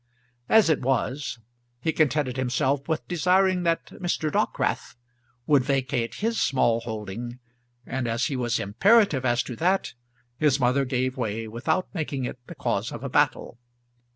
As it was he contented himself with desiring that Mr. Dockwrath would vacate his small holding, and as he was imperative as to that his mother gave way without making it the cause of a battle.